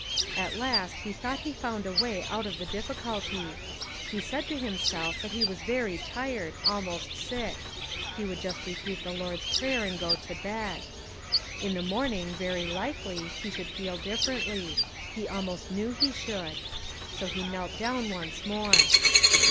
At last he thought he had found a way out of the difficulty. He said to himself that he was very tired, almost sick; he would just repeat the Lord's Prayer and go to bed. In the morning, very likely, he should feel differently; he almost knew he should. So he knelt down once more.